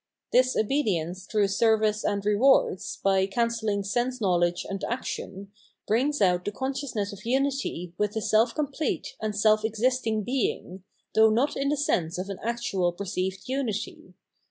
This obedience through service and rewards, by cancelling sense know ledge fl.ntl action, brings out the consciousness of imity with the self complete and self existing Being, though not in the sense of an actual perceived unity.